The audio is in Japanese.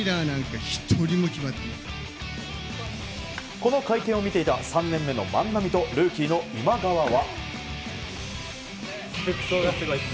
この会見を見ていた３年目の万波とルーキーの今川は。